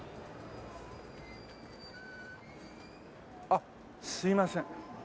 あっすいません。